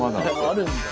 あるんだ。